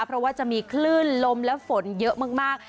เพราะว่าจะมีคลื่นลมและฝนเยอะมาก